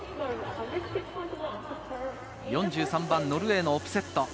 ４３番ノルウェーのオプセット。